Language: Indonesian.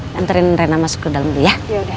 nantriin reina masuk ke dalam dulu ya